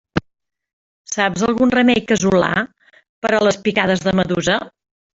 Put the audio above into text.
Saps algun remei casolà per a les picades de medusa?